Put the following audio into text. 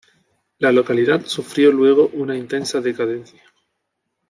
La localidad sufrió luego una intensa decadencia.